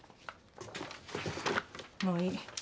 もういい。